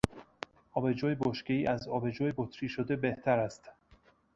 آبجو بشکهای از آبجو بطری شده بهتر است.